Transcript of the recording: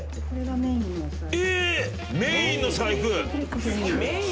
メインの財布！